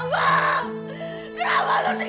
mas takut lagi